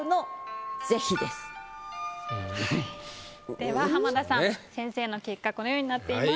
では浜田さん先生の結果このようになっています。